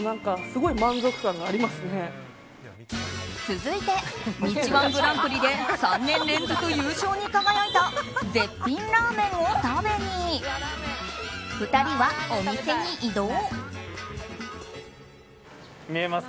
続いて、道‐１グランプリで３年連続優勝に輝いた絶品ラーメンを食べに２人はお店に移動。